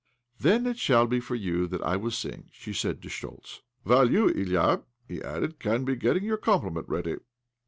' Then it shall be for you that I will sing," she said to S'chtoltz. " WhUe you, Ilya," he added, " can be getting your compliment ready."